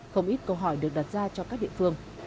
không ít câu hỏi được đặt ra cho các địa phương